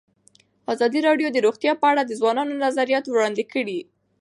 ازادي راډیو د روغتیا په اړه د ځوانانو نظریات وړاندې کړي.